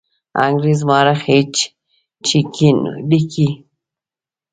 انګریز مورخ ایچ جي کین لیکي.